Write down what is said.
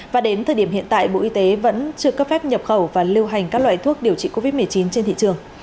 và đến thời điểm hiện tại bộ y tế vẫn chưa cấp phép nhập khẩu và lưu hành các loại thuốc điều trị covid một mươi chín trên thị trường